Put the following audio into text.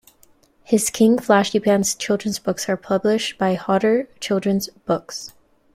His "King Flashypants" children's books are published by Hodder Children's Books.